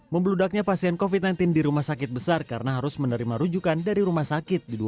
membeludaknya pasien covid sembilan belas di rumah sakit besar karena harus menerima rujukan dari rumah sakit